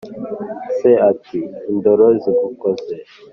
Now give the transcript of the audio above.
se ati: indoro zigukoze